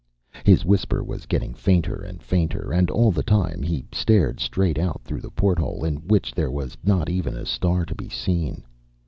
His whisper was getting fainter and fainter, and all the time he stared straight out through the porthole, in which there was not even a star to be seen.